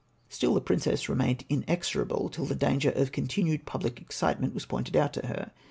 Still the princess remained inexorable, till the danger of continued public excitement was pointed out to her.